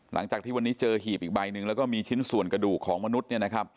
หลังจากที่วันนี้เจอหีบอีกใบหนึ่งแล้วก็มีชิ้นส่วนกระดูกของมนุษย์เนี่ยนะครับ